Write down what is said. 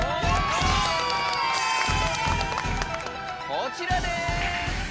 こちらです。